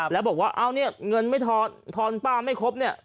แล้วบอกว่าเงินทอนป้าไม่ครบเนี่ย